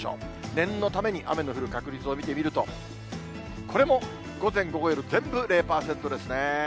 念のために雨の降る確率を見てみると、これも午前、午後、夜、全部０％ですね。